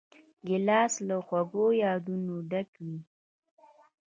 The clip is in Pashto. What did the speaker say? ګیلاس له خوږو یادونو ډک وي.